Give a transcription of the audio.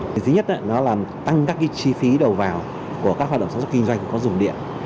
thứ nhất là tăng các chi phí đầu vào của các hoạt động sản xuất kinh doanh có dùng điện